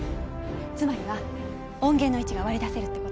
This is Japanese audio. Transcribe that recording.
つまりは音源の位置が割り出せるって事。